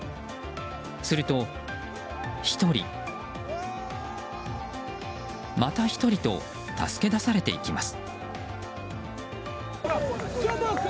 すると１人、また１人と助け出されていきます。